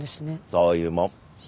そういうもん。